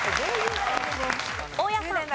大家さん。